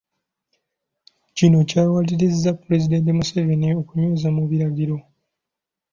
Kino kyawalirizza Pulezidenti Museveni okunyweza mu biragiro